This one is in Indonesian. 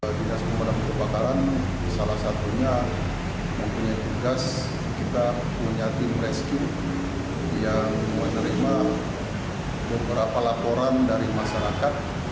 dinas pemadam kebakaran salah satunya mempunyai tugas kita punya tim rescue yang menerima beberapa laporan dari masyarakat